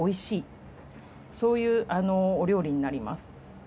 そういうお料理になります。